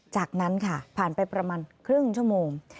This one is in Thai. จากนั้นค่ะผ่านไปประมาณครึ่งชั่วโมง